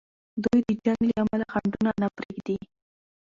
دوی د جنګ جګړو له امله خنډونه نه پریږدي.